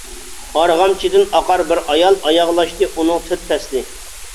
ئارغامچىدىن ئاقار بىر ئايال، ئاياغلاشتى ئۇنىڭ تۆت پەسلى.